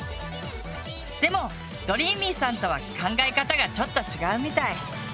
でもどりーみぃさんとは考え方がちょっと違うみたい。